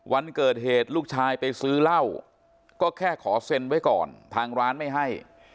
วันเกิดเหตุลูกชายไปซื้อเหล้าก็แค่ขอเซ็นไว้ก่อนทางร้านไม่ให้